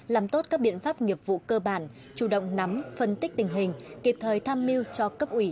làm tốt các biện pháp nghiệp vụ cơ bản chủ động nắm phân tích tình hình kịp thời tham mưu cho cấp ủy